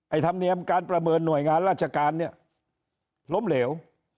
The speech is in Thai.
ธรรมเนียมการประเมินหน่วยงานราชการเนี่ยล้มเหลว